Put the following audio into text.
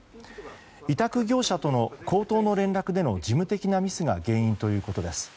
委託業者との口頭の連絡での事務的なミスが原因ということです。